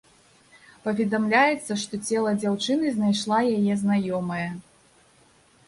Паведамляецца, што цела дзяўчыны знайшла яе знаёмая.